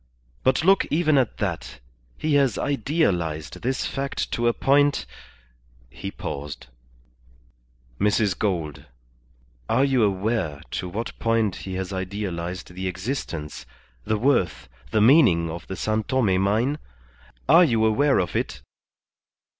But look even at that, he has idealized this fact to a point " He paused. "Mrs. Gould, are you aware to what point he has idealized the existence, the worth, the meaning of the San Tome mine? Are you aware of it?"